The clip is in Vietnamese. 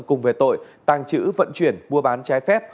cùng về tội tàng trữ vận chuyển mua bán trái phép